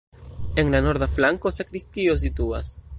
En la norda flanko sakristio situas.